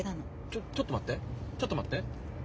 ちょちょっと待ってちょっと待って。